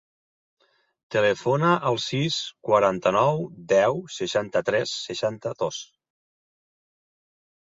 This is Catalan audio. Telefona al sis, quaranta-nou, deu, seixanta-tres, setanta-dos.